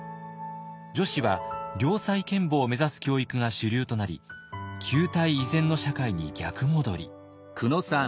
女子は良妻賢母を目指す教育が主流となり旧態依然の社会に逆戻り。